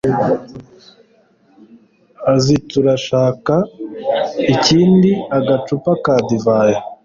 aziTurashaka ikindi gacupa ka divayi